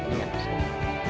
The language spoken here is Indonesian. ini adalah contoh orang